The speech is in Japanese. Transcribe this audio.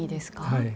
はい。